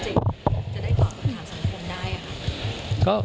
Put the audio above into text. ให้เกิดความชัดจะได้ตอบประสาทสังคมได้หรือครับ